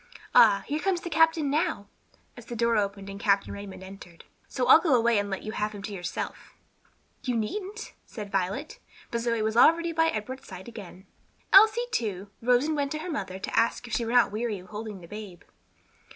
Ah, here comes the captain now," as the door opened and Captain Raymond entered; "so I'll go away and let you have him to yourself." "You needn't," said Violet, but Zoe was already by Edward's side again. Elsie, too, rose and went to her mother to ask if she were not weary of holding the babe.